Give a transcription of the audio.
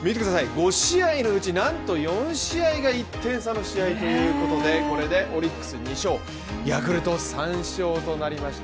５試合のうち何と４試合が１点差の試合ということで、これでオリックス２勝ヤクルト３勝となりました。